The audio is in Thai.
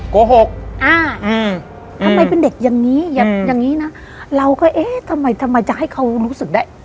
โกหกอ่าอ่าทำไมเป็นเด็กอย่างนี้นะเราก็เอ๊ะทำไมทำไมจะให้เขารู้สึกได้